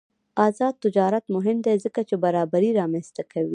آزاد تجارت مهم دی ځکه چې برابري رامنځته کوي.